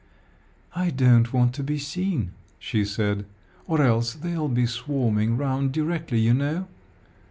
"I don't want to be seen," she said, "or else they'll be swarming round directly, you know."